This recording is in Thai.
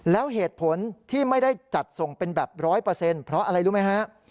แล้วเหตุผลที่ไม่ได้จัดส่งเป็นแบบ๑๐๐เพราะอะไรรู้ไหมฮะ